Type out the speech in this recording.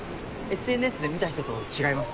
ＳＮＳで見た人と違います。